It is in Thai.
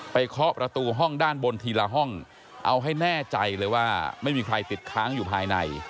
เคาะประตูห้องด้านบนทีละห้องเอาให้แน่ใจเลยว่าไม่มีใครติดค้างอยู่ภายใน